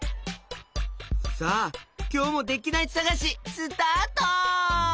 さあきょうもできないさがしスタート！